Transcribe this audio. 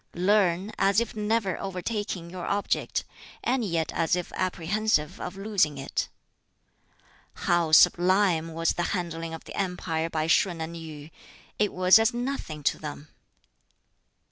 "Learn, as if never overtaking your object, and yet as if apprehensive of losing it. "How sublime was the handling of the empire by Shun and Yu! it was as nothing to them!